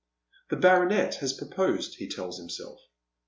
The baronet has proposed, he tells himself.